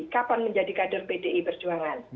kapan menjadi kader pdi perjuangan